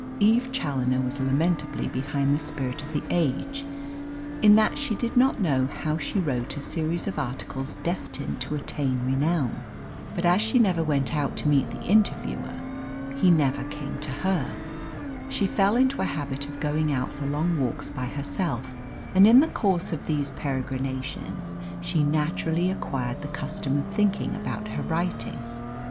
Eve Challoner was lamentably behind the spirit of the age in that she did not know how she wrote a series of articles destined to attain renown. But as she never went out to meet the interviewer, he never came to her. She fell into a habit of going out for long walks by herself, and in the course of these peregrinations she naturally acquired the custom of thinking about her writing.